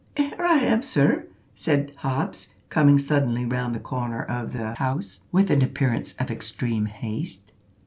"'Ere I am, sir," said Hobbs, coming suddenly round the corner of the house, with an appearance of extreme haste.